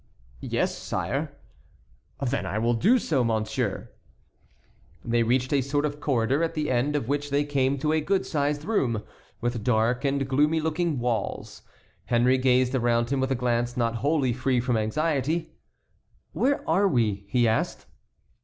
"Yes, sire." "Then I will do so, monsieur." They reached a sort of corridor at the end of which they came to a good sized room, with dark and gloomy looking walls. Henry gazed around him with a glance not wholly free from anxiety. "Where are we?" he asked.